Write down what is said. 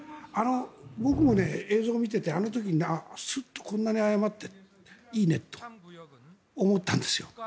僕も映像を見ていてあの時にすっと、こんなに謝っていいねと思ったんですよ。